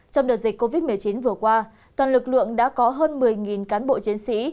trong đợt dịch covid một mươi chín vừa qua toàn lực lượng đã có hơn một mươi cán bộ chiến sĩ